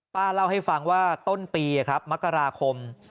ป้าเล่าให้ฟังว่าต้นปีครับมกราคม